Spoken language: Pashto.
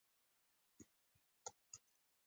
فرګوسن وویل: تاسي دواړه یو شان یاست.